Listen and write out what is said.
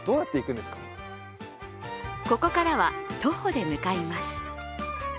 ここからは徒歩で向かいます。